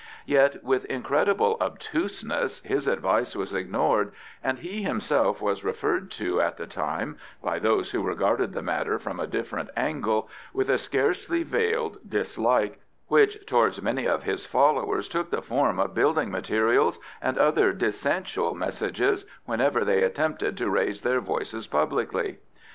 Yet with incredible obtuseness his advice was ignored and he himself was referred to at the time by those who regarded the matter from a different angle, with a scarcely veiled dislike, which towards many of his followers took the form of building materials and other dissentient messages whenever they attempted to raise their voices publicly.